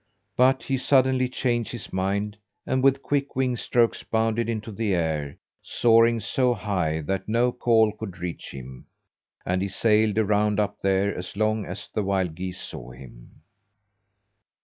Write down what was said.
But he suddenly changed his mind, and with quick wing strokes bounded into the air, soaring so high that no call could reach him; and he sailed around up there as long as the wild geese saw him.